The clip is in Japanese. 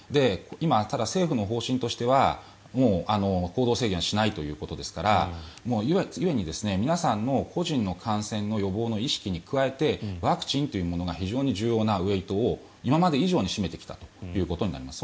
ただ、今、政府の方針としてはもう行動制限はしないということですから次は皆さんの個人の感染の予防の意識に加えてワクチンというものが非常に重要なウェイトを今まで以上に占めてきたということになります。